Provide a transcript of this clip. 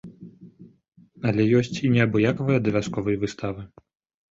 Але ёсць і неабыякавыя да вясковай выставы.